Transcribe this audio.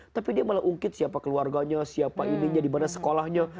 tapi dia malah ungkit siapa keluarganya siapa ininya di mana sekolahnya